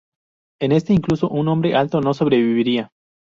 En este, incluso un hombre alto no sobreviviría.